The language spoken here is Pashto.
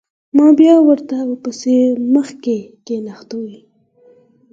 ما بيا ورته پيسې مخې ته كښېښووې.